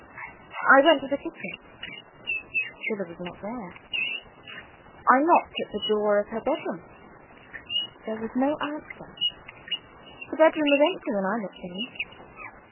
I went to the kitchen. Zillah was not there. I knocked at the door of her bed room. There was no answer: the bed room was empty when I looked in.